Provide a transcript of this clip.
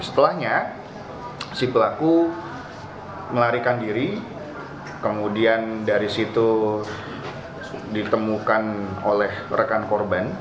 setelahnya si pelaku melarikan diri kemudian dari situ ditemukan oleh rekan korban